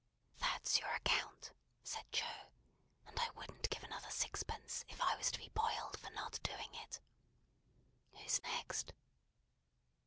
"That's your account," said Joe, "and I wouldn't give another sixpence, if I was to be boiled for not doing it. Who's next?"